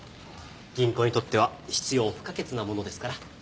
銀行にとっては必要不可欠なものですから。